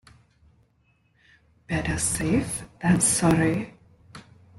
Better safe than sorry.